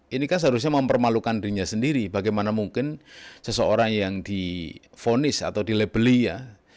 ini kan seharusnya mempermalukan dirinya sendiri bagaimana mungkin seseorang yang difonis atau dilebeli ya